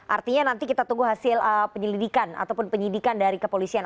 artinya nanti kita tunggu hasil penyelidikan ataupun penyidikan dari kepolisian